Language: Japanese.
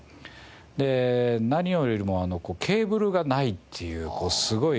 で何よりもケーブルがないっていうすごい。